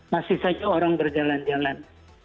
masih saja orang berjalan jalan